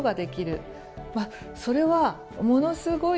それはものすごい